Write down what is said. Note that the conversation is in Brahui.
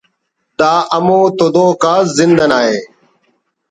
دا ہمو تدوک آ زند انا ءِ